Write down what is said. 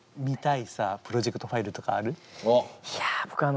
見たいさプロジェクトファイルとかある？